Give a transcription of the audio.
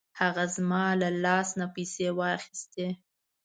هغه زما له لاس نه پیسې واخیستې.